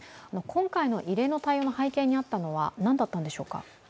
今回の異例の対応の背景にあったのは、何だったんでしょうか。